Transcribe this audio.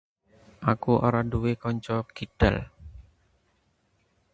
Aku ora nduwé kanca kidal